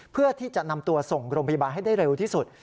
เพื่อที่จะนำตัวส่งโรงพยาบาลให้ได้เร็วที่สุด